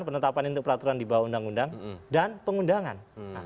penetapan itu peraturan di bawah undang undang dan pengundangan